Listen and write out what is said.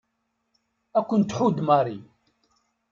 Ad ken-tḥudd Mary.